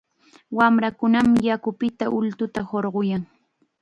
Wamrakunam yakupita ultuta hurquyan.